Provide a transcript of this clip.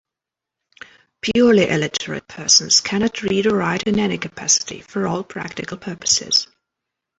"Purely illiterate" persons cannot read or write in any capacity, for all practical purposes.